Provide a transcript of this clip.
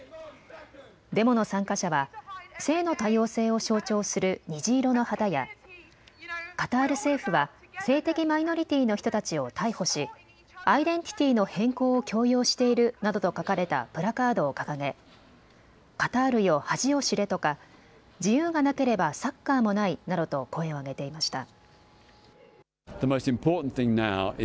デモの参加者は性の多様性を象徴する虹色の旗やカタール政府は性的マイノリティーの人たちを逮捕しアイデンティティーの変更を強要しているなどと書かれたプラカードを掲げ、カタールよ恥を知れとか自由がなければサッカーもないなどと声を上げていました。